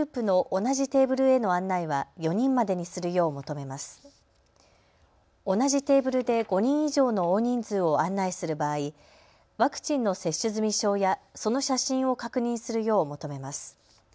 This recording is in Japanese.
同じテーブルで５人以上の大人数を案内する場合、ワクチンの接種済証やその写真を確認するよう求めます。